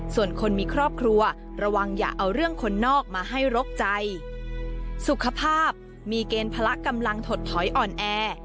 ส่วนคนมีครอบครัวระวังอย่าเอาเรื่องคนนอกมาให้รกใจสุขภาพมีเกณฑ์พละกำลังถดถอยอ่อนแอ